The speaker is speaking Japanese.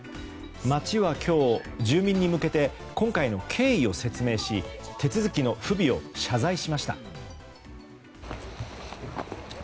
町は今日、住民に向けて今回の経緯を説明し手続きの不備を謝罪しました。